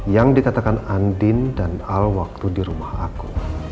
yang dikatakan andin dan al waktu di rumah aku